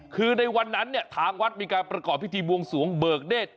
คือในวันนั้นเนี่ยทางวัดมีการประกอบพิธีบวงสวงเบิกเนธ